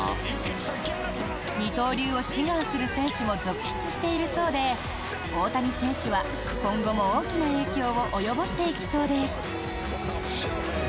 二刀流を志願する選手も続出しているそうで大谷選手は今後も大きな影響を及ぼしていきそうです。